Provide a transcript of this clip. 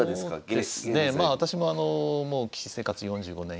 そうですねまあ私ももう棋士生活４５年。